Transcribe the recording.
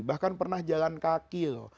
bahkan pernah jalan kaki loh